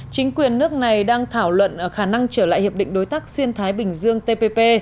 chính quyền nước này đang thảo luận khả năng trở lại hiệp định đối tác xuyên thái bình dương tpp